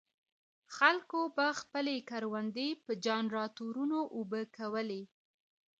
خلکو به خپلې کروندې په جنراټورونو اوبه کولې.